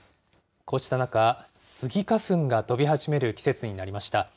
こうした中、スギ花粉が飛び始める季節になりました。